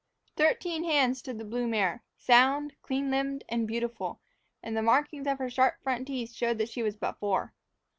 Thirteen hands stood the blue mare, sound, clean limbed, and beautiful, and the markings of her sharp front teeth showed that she was but four.